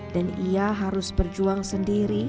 dan ia harus berjuang sendiri